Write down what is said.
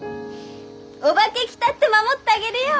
お化け来たって守ってあげるよ！